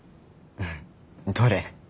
どれ？